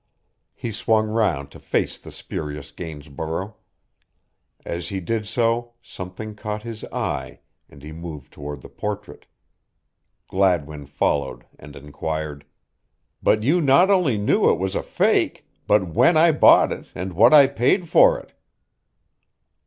He swung round to face the spurious Gainsborough. As he did so something caught his eye and he moved toward the portrait. Gladwin followed and inquired: "But you not only knew it was a fake, but when I bought it and what I paid for it."